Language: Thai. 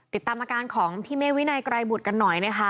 ติดตามอาการของพี่เมฆวินัยไกรบุตรกันหน่อยนะคะ